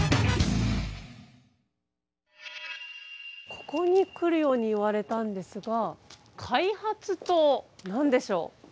ここに来るように言われたんですが開発棟？何でしょう？